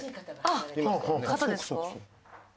あっ方ですか？